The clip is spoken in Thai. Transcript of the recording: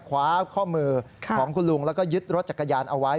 คว้าข้อมือของคุณลุงแล้วก็ยึดรถจักรยานเอาไว้